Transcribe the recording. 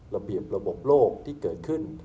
ระเบียบระบบโลกที่เกิดขึ้น